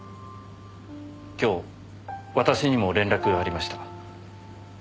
今日私にも連絡がありました。